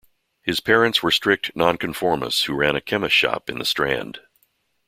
His parents were strict non-conformists who ran a chemist's shop in the Strand.